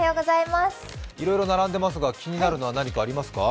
いろいろ並んでますが、気になるものは何かありますか？